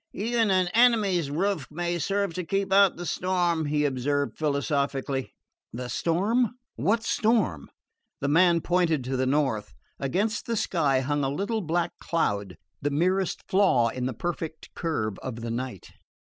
"Even an enemy's roof may serve to keep out the storm," he observed philosophically. "The storm? What storm?" The man pointed to the north. Against the sky hung a little black cloud, the merest flaw in the perfect curve of the night.